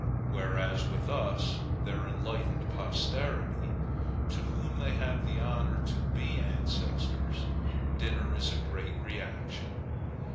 Whereas with us, their enlightened posterity, to whom they have the honor to be ancestors, dinner is a great reaction.